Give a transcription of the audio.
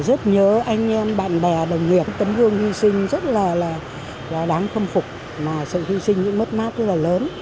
con cháu chúng ta được gửi ngò bình nhưng mà rất nhớ anh em bạn bè đồng nghiệp tấn vương huy sinh rất là đáng khâm phục mà sự huy sinh cũng mất mát rất là lớn